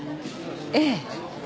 ええ。